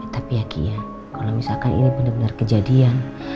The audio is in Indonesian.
tapi ya ki ya kalau misalkan ini benar benar kejadian